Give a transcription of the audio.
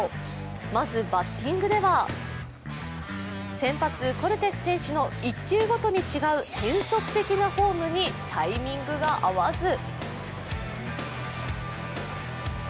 まずバッティングでは先発・コルテス選手の１球ごとに違う変則的なフォームにタイミングが合わず。